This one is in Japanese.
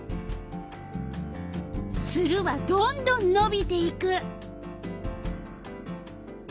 ツルはどんどんのびていく。